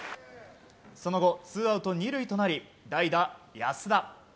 その後、ツーアウト２塁となり代打、安田。